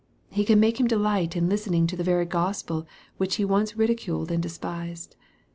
He can make him delight in listening to the very Gospel which he once ridiculed and despised.